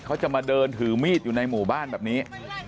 เขาจะมาเดินถือมีดอยู่ในหมู่บ้านแบบนี้